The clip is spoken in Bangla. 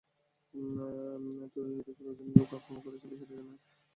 তিরুনেলভেলিতে, ষোলজন লোক আক্রমণ করেছিল সেটা জানেন?